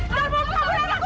kamu bukan orang aku